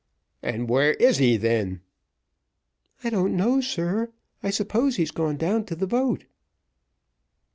"And where is he, then?" "I don't know, sir; I suppose he's gone down to the boat."